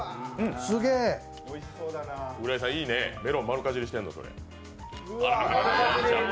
浦井さん、いいね、メロン丸かじりしてんの、それ。